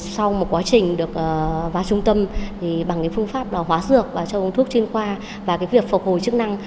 sau một quá trình được vào trung tâm bằng phương pháp hóa dược và cho uống thuốc chuyên khoa và việc phục hồi chức năng